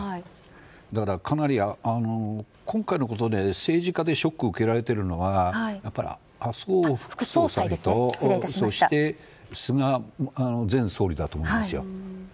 かなり、今回のことで政治家でショックを受けられているのは麻生副総裁とそして菅前総理だと思うんですよ。